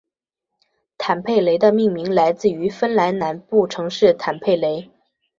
坦佩雷的命名来自于芬兰南部城市坦佩雷。